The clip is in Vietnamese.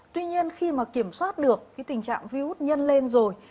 tuy nhiên khi mà kiểm soát được tình trạng viếu út nhân lên rồi